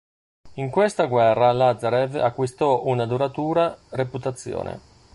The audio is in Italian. In questa guerra Lazarev acquistò una duratura reputazione.